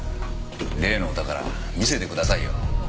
例のお宝見せてくださいよ。